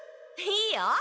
いいよ。